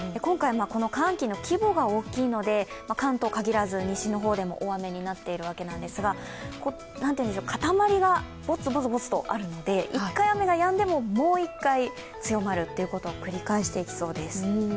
今回、寒気の規模が大きいので関東に限らず西の方でも大雨になっているわけですが塊がボツボツとあるので、一回雨がやんでももう一回、強まるということを繰り返していきそうです。